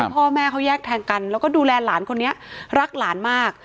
พ่อแม่เขาแยกทางกันแล้วก็ดูแลหลานคนนี้รักหลานมาก